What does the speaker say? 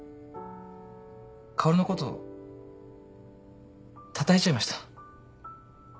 薫のことたたいちゃいました。